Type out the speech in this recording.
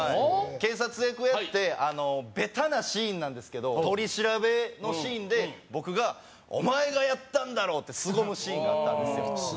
警察役をやってベタなシーンなんですけど取り調べのシーンで僕がってすごむシーンがあったんですよ